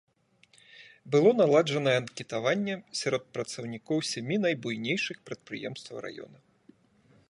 Было наладжанае анкетаванне сярод працаўнікоў сямі найбуйнейшых прадпрыемстваў раёна.